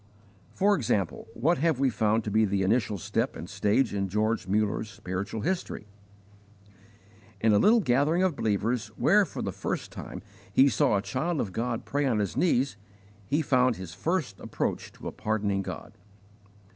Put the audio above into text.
For example, what have we found to be the initial step and stage in George Muller's spiritual history? In a little gathering of believers, where for the first time he saw a child of God pray on his knees, he found his first approach to a pardoning God.